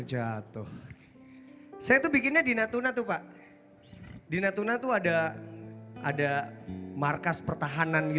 kupikku di sini